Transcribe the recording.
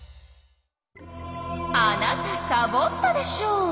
あなたサボったでしょ！